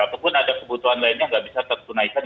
ataupun ada kebutuhan lainnya nggak bisa tertunaikan